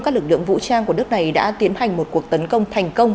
các lực lượng vũ trang của nước này đã tiến hành một cuộc tấn công thành công